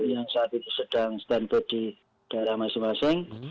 yang saat itu sedang stand by di daerah masing masing